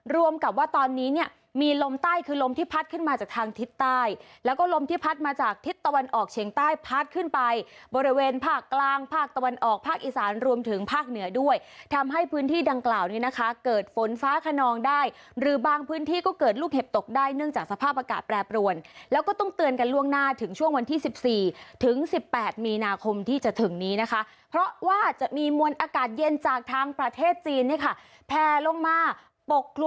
รวมกับว่าตอนนี้เนี่ยมีลมใต้คือลมที่พัดขึ้นมาจากทิศใต้แล้วก็ลมที่พัดมาจากทิศตะวันออกเฉียงใต้พัดขึ้นไปบริเวณภาคกลางภาคตะวันออกภาคอีสานรวมถึงภาคเหนือด้วยทำให้พื้นที่ดังกล่าวนี้นะคะเกิดฝนฟ้าขนองได้หรือบางพื้นที่ก็เกิดลูกเห็บตกได้เนื่องจากสภาพอากาศแปร